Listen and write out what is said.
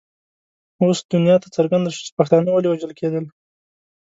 اوس دنیا ته څرګنده شوه چې پښتانه ولې وژل کېدل.